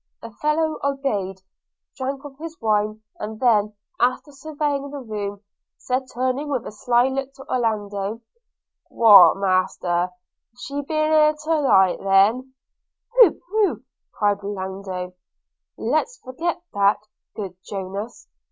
The fellow obeyed, drank off his wine, and then, after surveying the room, said turning with a sly look to Orlando, 'What, Master, she ben't here then to night?' 'Pooh, pooh!' cried Orlando, 'let's forget that, good Jonas!